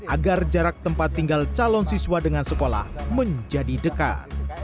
agar jarak tempat tinggal calon siswa dengan sekolah menjadi dekat